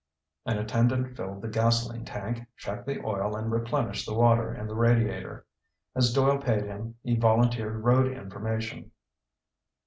An attendant filled the gasoline tank, checked the oil and replenished the water in the radiator. As Doyle paid him, he volunteered road information.